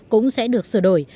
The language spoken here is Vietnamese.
cũng sẽ được sửa đổi